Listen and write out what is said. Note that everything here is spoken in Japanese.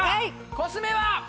コスメは！